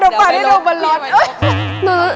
ได้ค่ะดูเปล่าที่ดูบนรถ